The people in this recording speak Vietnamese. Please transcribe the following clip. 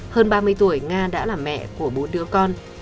hơn ba mươi tuổi nga đã là mẹ của bốn đứa con